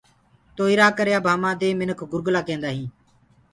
تو اِرو ڪري اب هماندي مِنکَ گُرگَلآ ڪيندآئينٚ۔